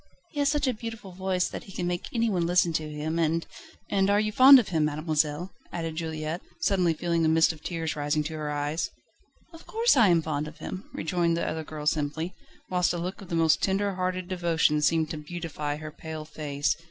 He has such a beautiful voice that he can make anyone listen to him, and ..." "And you are fond of him, mademoiselle?" added Juliette, suddenly feeling a mist of tears rising to her eyes. "Of course I am fond of him," rejoined the other girl simply, whilst a look of the most tender hearted devotion seemed to beautify her pale face.